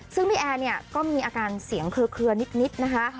ซึ่งพี่แอร์เนี่ยก็มีอาการเสียงเคลือนิดนะคะ